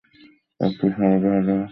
একটু সরবে, হাওয়ার্ড।